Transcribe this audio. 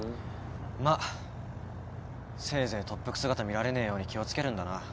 まあせいぜい特服姿見られねえように気を付けるんだな。